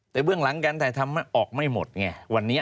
แต่เวลาหลังกันแต่ทำออกไม่หมดไงวันนี้